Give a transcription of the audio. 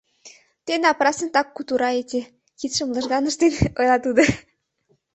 — Те напрасно так кутураете, — кидшым лыжган ыштен ойла тудо.